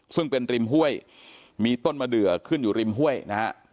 ซึ่งเป็นริมห้วยมีต้นมะเดือขึ้นอยู่ริมห้วยนะฮะ